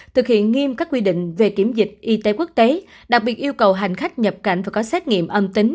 thực hiện nghiêm các quy định về kiểm dịch y tế quốc tế đặc biệt yêu cầu hành khách nhập cảnh phải có xét nghiệm âm tính